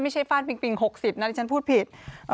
ไม่ใช่ฟ่านปริง๖๐นะฉันพูดผิด